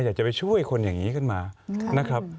อยากจะไปช่วยคนอย่างนี้ขึ้นมานะครับ